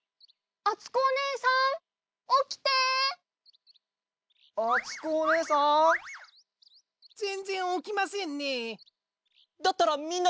あつこおねえさん！